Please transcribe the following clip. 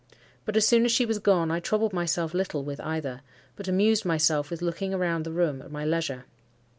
But as soon as she was gone, I troubled myself little with either, but amused myself with looking round the room at my leisure.